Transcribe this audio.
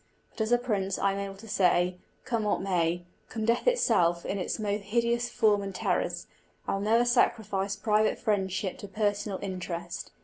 But as a prince I am able to say, Come what may come death itself in its most hideous forms and terrors I never will sacrifice private friendship to personal interest.